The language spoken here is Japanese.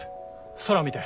空を見て。